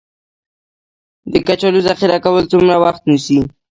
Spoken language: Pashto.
د کچالو ذخیره کول څومره وخت نیسي؟